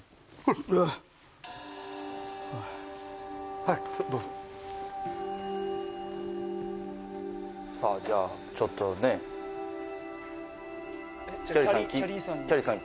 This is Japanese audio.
はいどうぞさあじゃあちょっとねえっきゃりーさんに？